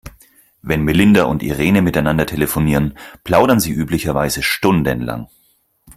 Wenn Melinda und Irene miteinander telefonieren, plaudern sie üblicherweise stundenlang.